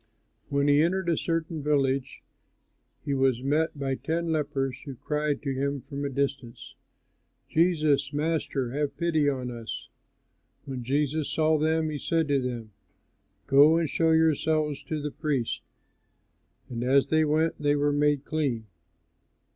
When he entered a certain village, he was met by ten lepers, who cried to him from a distance, "Jesus, Master, have pity on us." When Jesus saw them he said to them, "Go, and show yourselves to the priests." And as they went, they were made clean.